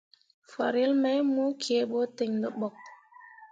Farel mai mo kǝǝɓo ten dǝɓok.